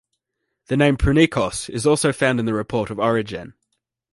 The name Prunikos is also found in the report of Origen.